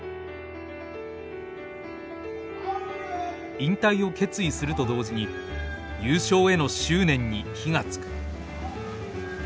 引退を決意すると同時に優勝への執念に火がつく。